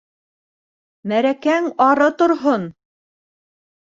Мәрәкәң ары торһон!..